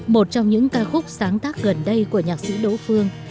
một trong những ca khúc sáng tác gần đây của nhạc sĩ đỗ phương